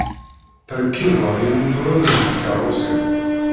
Ttṛekkibeɣ imuturen n tkeṛṛusin.